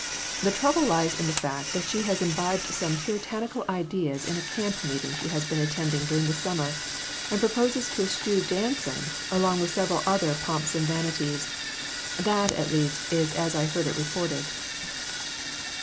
"The trouble lies in the fact that she has imbibed some puritanical ideas in a camp meeting she has been attending during the sum mer, and proposes to eschew dancing, along with several other pomps and vanities ; that, at least, is as I heard it reported."